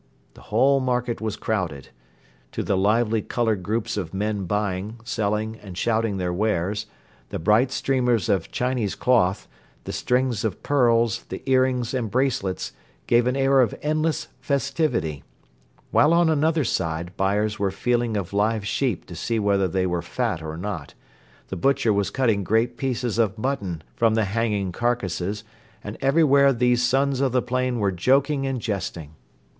The whole market was crowded. To the lively colored groups of men buying, selling and shouting their wares, the bright streamers of Chinese cloth, the strings of pearls, the earrings and bracelets gave an air of endless festivity; while on another side buyers were feeling of live sheep to see whether they were fat or not, the butcher was cutting great pieces of mutton from the hanging carcasses and everywhere these sons of the plain were joking and jesting.